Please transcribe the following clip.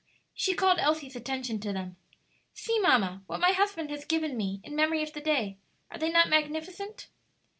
She called Elsie's attention to them. "See, mamma, what my husband has given me in memory of the day. Are they not magnificent?"